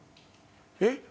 えっ？